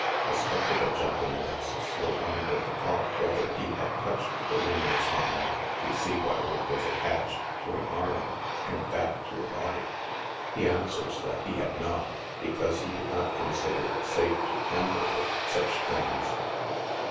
A skeptical gentleman asks the one with the cough whether he had touched the luminous hand, to see whether it was attached to an arm and that to a body. He answers that he had not, because he did not consider it safe to tamper with such things.